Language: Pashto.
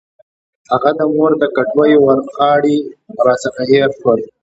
هغه د مور د کټوۍ ورخاړي راڅخه هېر شول.